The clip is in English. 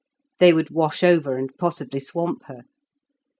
They would wash over and possibly swamp her.